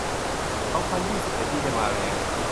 สองพันยี่สิบเอ็ด ที่จะมาแรง